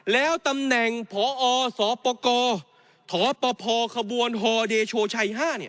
แล้วตำแหน่งพอสปกถปพขบวนฮเดโชชัย๕